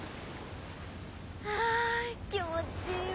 あ気持ちいいわ。